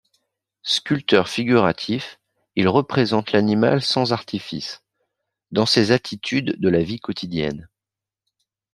Sculpteur figuratif, il représente l’animal sans artifice, dans ses attitudes de la vie quotidienne.